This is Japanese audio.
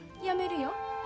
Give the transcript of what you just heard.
やめるよ。